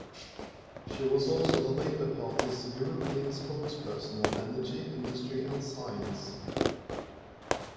She was also the Labour Party's European spokesperson on Energy, Industry and Science.